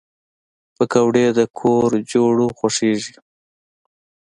پکورې د کور جوړو خوښېږي